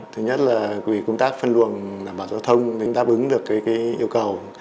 thứ nhất là quỹ công tác phân luồng bảo giao thông đã đáp ứng được yêu cầu